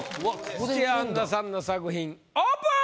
土屋アンナさんの作品オープン！